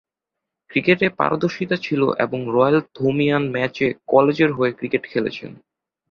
ক্রিকেটে পারদর্শিতা ছিলো এবং রয়েল-থোমিয়ান ম্যাচে কলেজের হয়ে ক্রিকেট খেলেছেন।